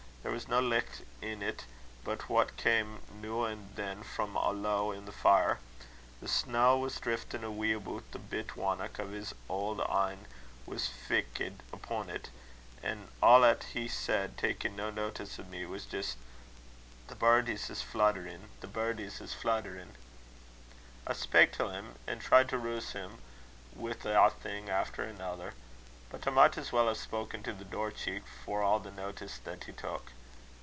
There was no licht in't but what cam' noo an' than frae a low i' the fire. The snaw was driftin' a wee aboot the bit winnock, an' his auld een was fixed upo't; an' a' 'at he said, takin' no notice o' me, was jist, 'The birdies is flutterin'; the birdies is flutterin'.' I spak' till him, an' tried to roose him, wi' ae thing after anither, bit I micht as weel hae spoken to the door cheek, for a' the notice that he took.